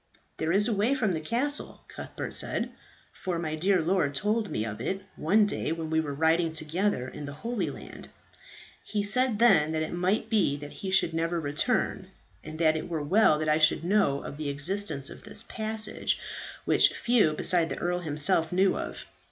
"There is a way from the castle," Cuthbert said, "for my dear lord told me of it one day when we were riding together in the Holy Land. He said then that it might be that he should never return, and that it were well that I should know of the existence of this passage, which few beside the earl himself knew of.